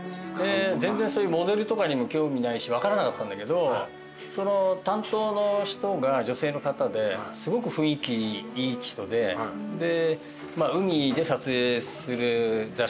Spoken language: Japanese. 全然モデルとかにも興味ないし分からなかったんだけどその担当の人が女性の方ですごく雰囲気いい人でで。